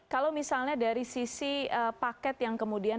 kalau misalnya dari sisi paket yang kemudian